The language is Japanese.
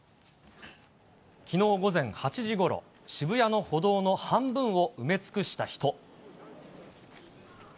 きのう午前８時ごろ、渋谷の歩道の半分を埋め尽くした人。